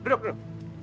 duduk duduk duduk